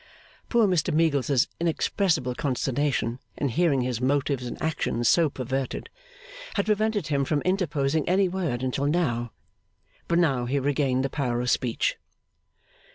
Poor Mr Meagles's inexpressible consternation in hearing his motives and actions so perverted, had prevented him from interposing any word until now; but now he regained the power of speech.